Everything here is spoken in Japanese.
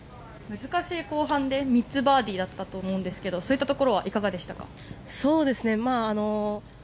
難しい後半で３つバーディーだったと思うんですけどそういったところはいかがでしたか？